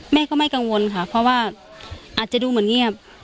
แม่ก็ไม่กังวลค่ะเพราะว่าอาจจะดูเหมือนเงียบ